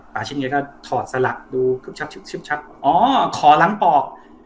ปาชินก็ถอดสลักดูชุบชับชุบชับอ๋อขอล้างปอก